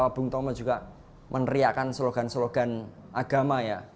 bung tomo juga meneriakan slogan slogan agama ya